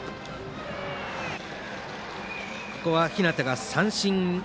ここは日當が三振。